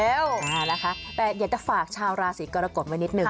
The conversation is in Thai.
เอานะคะแต่อยากจะฝากชาวราศีกรกฎไว้นิดนึง